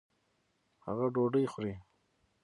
هغه ډوډۍ خوري.